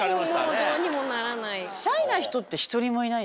もうどうにもならない。